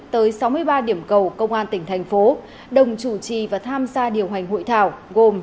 tới sáu mươi ba điểm cầu công an tỉnh thành phố đồng chủ trì và tham gia điều hành hội thảo gồm